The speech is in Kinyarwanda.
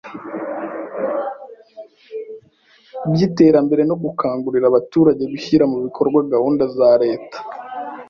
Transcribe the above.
by’iterambere no gukangurira abaturage gushyira mu bikorwa gahunda za Leta.